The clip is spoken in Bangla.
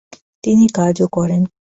তিনি কাজও করেন।